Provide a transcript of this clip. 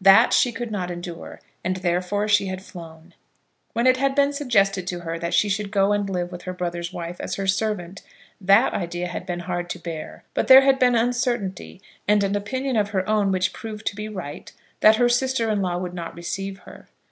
That she could not endure, and therefore she had flown. When it had been suggested to her that she should go and live with her brother's wife as her servant, that idea had been hard to bear. But there had been uncertainty, and an opinion of her own which proved to be right, that her sister in law would not receive her.